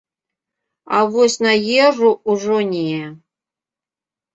А вось на ежу ўжо не.